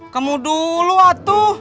kamu dulu atuh